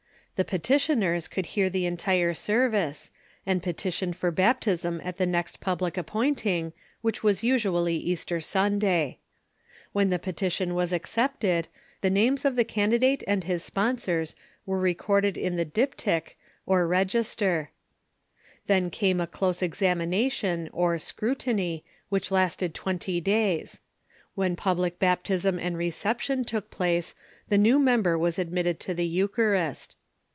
The petitioners could hear the entire service, and petition for baptism at the next public ap pointing, which Avas usually Easter Sundaj'. When the peti tion was accepted, the names of the candidate and his sponsors were recorded in the diptych, or register. Then came a close examination, or " scrutiny," which lasted twenty days. When public baptism and reception took place the new member was admitted to the Eucharist.